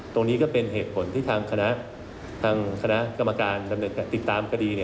ก็เป็นเหตุผลที่ทางคณะกรรมการติดตามคดี